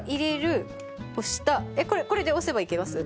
これで押せばいけます？